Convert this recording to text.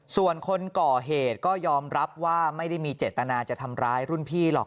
ส่วนคนก่อเหตุก็ยอมรับว่าไม่ได้มีเจตนาจะทำร้ายรุ่นพี่หรอก